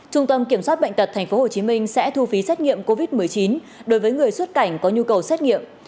trung tâm kiểm soát bệnh tật tp hcm sẽ thu phí xét nghiệm covid một mươi chín đối với người xuất cảnh có nhu cầu xét nghiệm